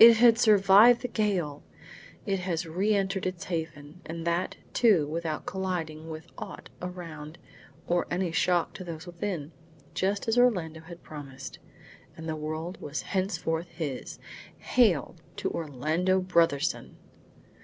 It had survived the gale! It has re entered its haven, and that, too, without colliding with aught around or any shock to those within, just as Orlando had promised; and the world was henceforth his! Hail to Orlando Brotherson!